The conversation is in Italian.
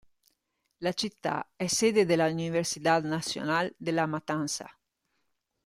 La città è sede della Universidad Nacional de La Matanza.